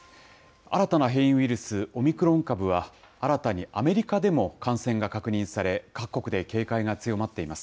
新たな変異ウイルス、オミクロン株は、新たにアメリカでも感染が確認され、各国で警戒が強まっています。